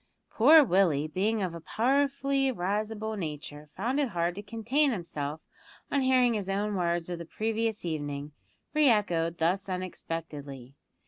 Poor Willie, being of a powerfully risible nature, found it hard to contain himself on hearing his own words of the previous evening re echoed thus unexpectedly.